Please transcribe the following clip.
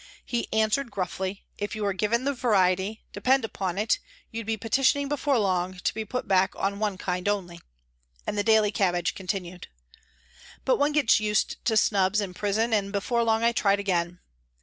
He answered gruffly, " If you were given the variety, depend upon it you'd be petitioning before long to be put back on one kind only," and the daily cabbage continued. But one gets used to snubs in prison and before long I tried again.